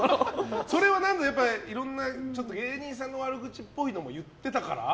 それは、いろんな芸人さんの悪口っぽいのも言ってたから？